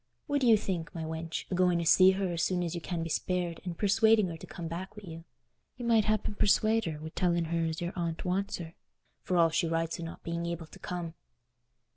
What do you think, my wench, o' going to see her as soon as you can be spared and persuading her to come back wi' you? You might happen persuade her wi' telling her as her aunt wants her, for all she writes o' not being able to come."